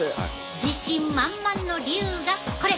自信満々の理由がこれ。